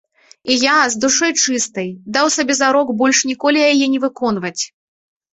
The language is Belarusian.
І я, з душой чыстай, даў сабе зарок больш ніколі яе не выконваць.